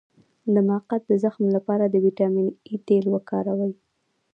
د مقعد د زخم لپاره د ویټامین اي تېل وکاروئ